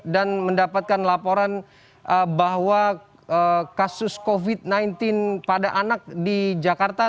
dan mendapatkan laporan bahwa kasus covid sembilan belas pada anak di jakarta